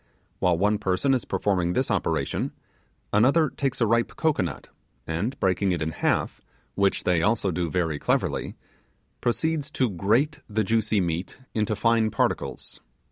While one person is performing this operation, another takes a ripe cocoanut, and breaking it in halves, which they also do very cleverly, proceeds to grate the juicy meat into fine particles.